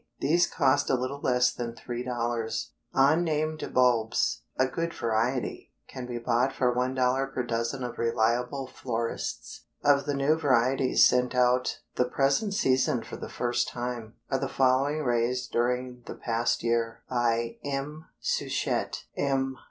These cost a little less than $3. Unnamed bulbs, a good variety, can be bought for $1 per dozen of reliable florists. Of the new varieties sent out the present season for the first time, are the following raised during the past year by M. Souchet, M.